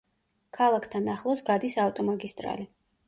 ქალაქთან ახლოს გადის ავტომაგისტრალი.